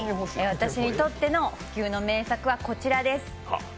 私にとっての不朽の名作はこちらです。